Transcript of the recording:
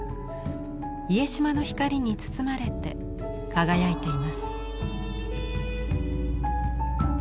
家島の光に包まれて輝いています。